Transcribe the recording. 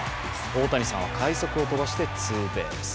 大谷さんは快足を飛ばしてツーベース。